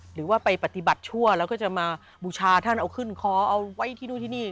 หรือว่าไปปฏิบัติชั่วแล้วก็จะมาบูชาท่านเอาขึ้นคอเอาไว้ที่นู่นที่นี่